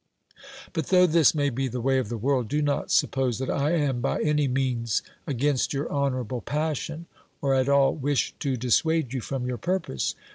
But though this may be the way of the world, do not sup pose that I am by any means against your honourable passion, or at all wish to dissuade you from your purpose.